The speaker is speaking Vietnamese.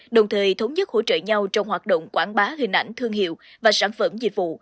đồng thời thống nhất hỗ trợ nhau trong hoạt động quảng bá hình ảnh thương hiệu và sản phẩm dịch vụ